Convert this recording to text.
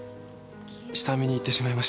下見に行ってしまいました。